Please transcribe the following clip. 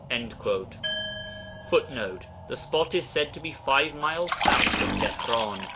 [Footnote: The spot is said to be five miles south of Tihran.